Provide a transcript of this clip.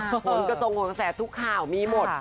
เหมือนกระทงห่วงแสดทุกข่าวมีหมด